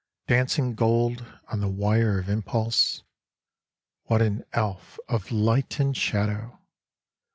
Dancing gold on the wire of impulse. What an elf of light and shadow